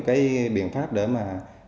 cái biện pháp để mà